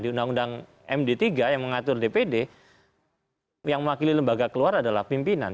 di undang undang md tiga yang mengatur dpd yang mewakili lembaga keluar adalah pimpinan